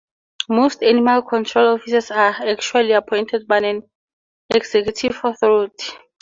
Most animal control officers are actually appointed by an executive authority.